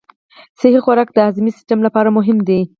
صحي خوراک د هاضمي سیستم لپاره مهم دی.